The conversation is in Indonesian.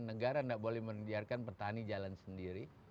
negara tidak boleh membiarkan petani jalan sendiri